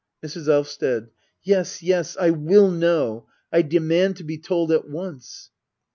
Mrs. Elvsted. Yes, yes, I will know. I demand to be told at once.